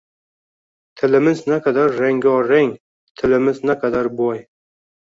Tilimiz naqadar rango-rang! Tilimiz naqadar boy!